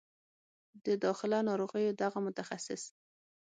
د داخله ناروغیو دغه متخصص